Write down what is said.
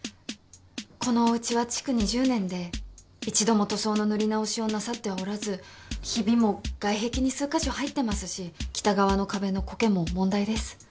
このおうちは築２０年で１度も塗装の塗り直しをなさってはおらずひびも外壁に数か所入ってますし北側の壁のこけも問題です。